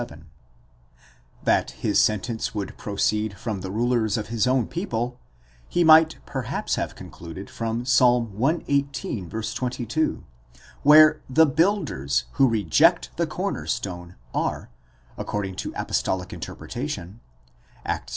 37) ; that his sentence would proceed from the rulers of his own people, he might perhaps have concluded from Ps. cxviii. 22, where the duilders, alkoSopotvres who reject the corner stone, are, according to apos tolic interpretation (Acts iv.